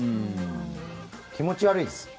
気持ち悪いです。